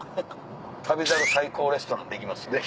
「『旅猿』最高レストラン」できますよ。